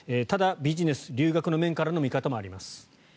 ただ、ビジネス、留学の面からの見方もあります。